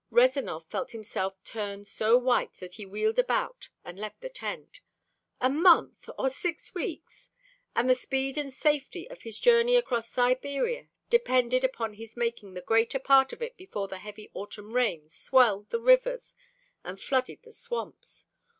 Rezanov felt himself turn so white that he wheeled about and left the tent. A month or six weeks! And the speed and safety of his journey across Siberia depended upon his making the greater part of it before the heavy autumn rains swelled the rivers and flooded the swamps.